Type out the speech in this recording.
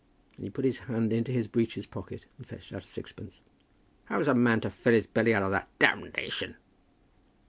And he put his hand into his breeches' pocket and fetched out a sixpence. "How's a man to fill his belly out of that? Damnation!"